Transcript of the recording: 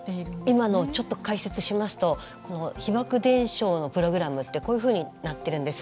今のをちょっと解説しますと被爆伝承のプログラムってこういうふうになってるんです。